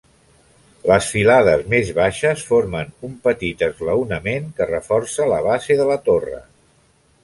Les filades més baixes formen un petit esglaonament que reforça la base de la torre.